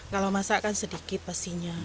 kalau masak kan sedikit pastinya